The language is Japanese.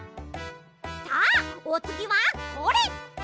さあおつぎはこれ！